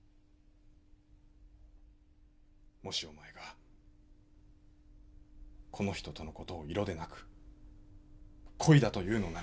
もしお前がこの人との事を色でなく恋だというのなら。